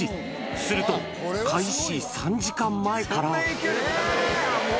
すると、開始３時間前から。